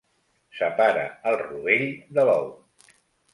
Separa el rovell de l'ou.